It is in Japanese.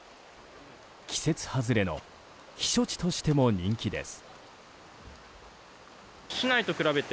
季節外れの避暑地としても人気です。